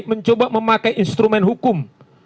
mencoba memakai instrumen hukum